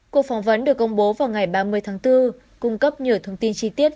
cuộc phỏng vấn được công bố vào ngày ba mươi tháng bốn cung cấp nhiều thông tin chi tiết